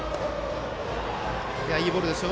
いいボールですよ。